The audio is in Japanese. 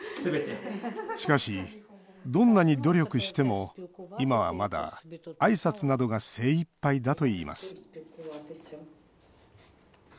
しかしどんなに努力しても今はまだあいさつなどが精いっぱいだといいます